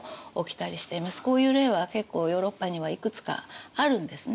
こういう例は結構ヨーロッパにはいくつかあるんですね。